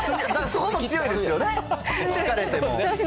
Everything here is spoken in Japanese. そこも強いですよね。